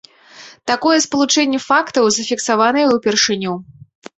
Такое спалучэнне фактаў зафіксаванае ўпершыню.